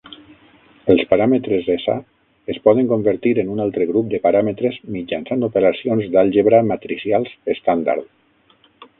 Els paràmetres S es poden convertir en un altre grup de paràmetres mitjançant operacions d'àlgebra matricials estàndard.